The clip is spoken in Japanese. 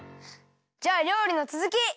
じゃありょうりのつづき！